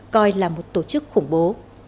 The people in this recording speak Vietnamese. coi là một tổ chức khủng bố